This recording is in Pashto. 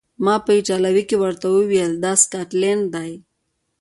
ما په ایټالوي کې ورته وویل: دا سکاټلنډۍ ده.